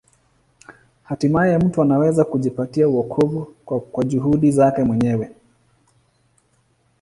Hatimaye mtu anaweza kujipatia wokovu kwa juhudi zake mwenyewe.